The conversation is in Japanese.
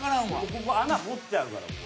ここ穴掘ってあるから。